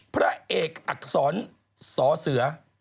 พระเอกอักษรสอเสือ